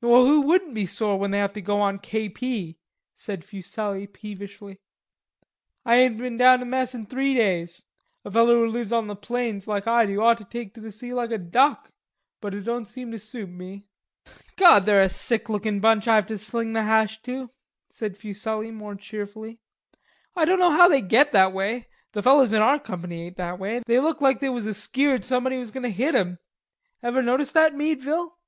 "Well, who wouldn't be sore when they have to go on K.P.?" said Fuselli peevishly. "I ain't been down to mess in three days. A feller who lives on the plains like I do ought to take to the sea like a duck, but it don't seem to suit me." "God, they're a sick lookin' bunch I have to sling the hash to," said Fuselli more cheerfully. "I don't know how they get that way. The fellers in our company ain't that way. They look like they was askeered somebody was going to hit 'em. Ever noticed that, Meadville?"